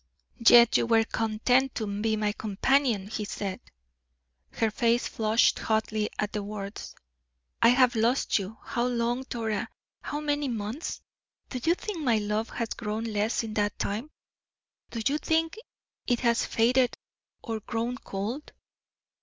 "Yet you were content to be my companion," he said. Her face flushed hotly at the words. "I have lost you, how long, Dora, how many months? Do you think my love has grown less in that time? Do you think it has faded or grown cold.